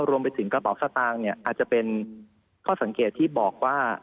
รวมไปถึงกระเป๋าสตางค์เนี่ยอาจจะเป็นข้อสังเกตที่บอกว่า